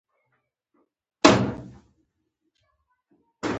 میتایل ارنج په لیمو کې یو رنګ اختیاروي.